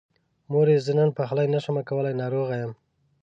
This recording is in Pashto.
مورې! زه نن پخلی نشمه کولی، ناروغه يم.